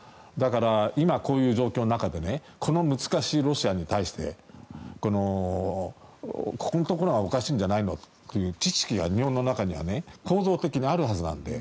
今、こういう状況の中で難しいロシアに対してここのところがおかしいんじゃないかという知識が日本の中には構造的にあるはずなので。